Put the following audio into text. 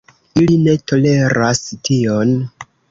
Ili ne toleras tion.